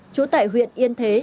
chúa tại huyện yên thế